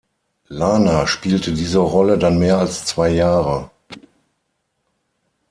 Lana spielte diese Rolle dann mehr als zwei Jahre.